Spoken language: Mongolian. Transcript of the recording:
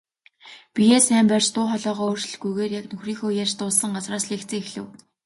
Биеэ сайн барьж, дуу хоолойгоо өөрчлөлгүйгээр яг нөхрийнхөө ярьж дууссан газраас лекцээ эхлэв.